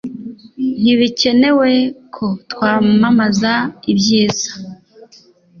Ntibikenewe ko twamamaza ibyiza.